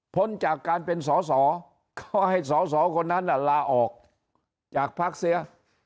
พ้นจากการเป็นสอสอเขาให้สอสอคนนั้นลาออกจากพักเสีย